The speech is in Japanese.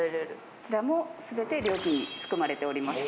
こちらも全て料金に含まれております。